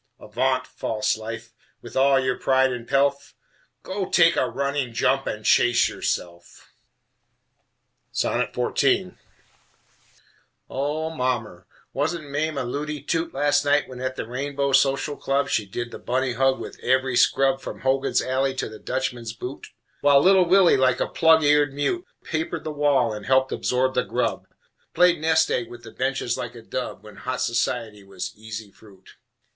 Avaunt, false Life, with all your pride and pelf: Go take a running jump and chase yourself! XIV O mommer! wasn't Mame a looty toot Last night when at the Rainbow Social Club She did the bunny hug with every scrub From Hogan's Alley to the Dutchman's Boot, While little Willie, like a plug eared mute, Papered the wall and helped absorb the grub, Played nest egg with the benches like a dub When hot society was easy fruit!